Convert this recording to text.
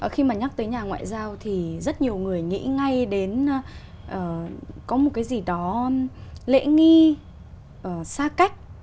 khi mà nhắc tới nhà ngoại giao thì rất nhiều người nghĩ ngay đến có một cái gì đó lễ nghi xa cách